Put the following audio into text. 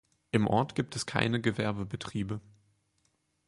Im Ort gibt es keine Gewerbebetriebe.